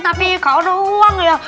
tapi gak ada uang ya